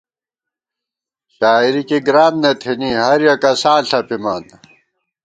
شاعری کی گران نہ تھنی ، ہر یَک اساں ݪَپِمان